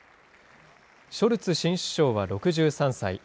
ショルツ新首相は６３歳。